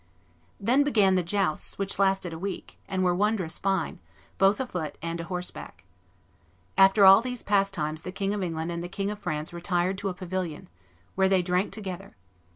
"Then began the jousts, which lasted a week, and were wondrous fine, both a foot and a horseback. After all these pastimes the King of France and the King of England retired to a pavilion, where they drank together.